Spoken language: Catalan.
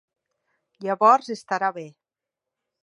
Llavors estarà bé.